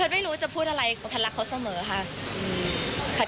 ไม่รู้จะพูดอะไรแพนรักเขาเสมอค่ะ